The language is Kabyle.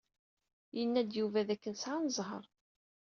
Yenna-d Yuba dakken sɛan zzheṛ.